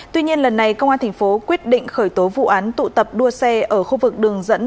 tuy nhiên lần này công an thành phố quyết định khởi tố vụ án tụ tập đua xe ở khu vực đường dẫn